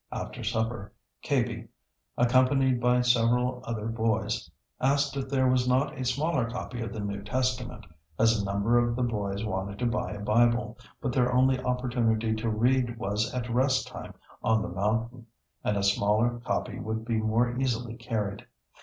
After supper, Kaiby, accompanied by several other boys, asked if there was not a smaller copy of the New Testament, as a number of the boys wanted to buy a Bible, but their only opportunity to read was at rest time on the mountain, and a smaller copy would be more easily carried.